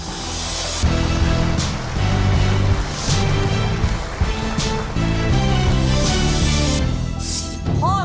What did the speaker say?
พ่อมีนักมวยในชีวิต